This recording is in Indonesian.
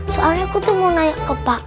soalnya aku tuh mau nanya apa